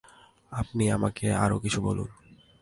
আপনি আমাকে আরো কিছু বলুন।